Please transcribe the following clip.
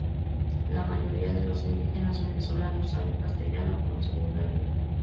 La mayoría de los indígenas venezolanos saben castellano como segunda lengua.